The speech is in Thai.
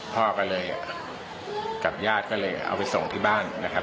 พ่อก็เลยกับญาติก็เลยเอาไปส่งที่บ้านนะครับ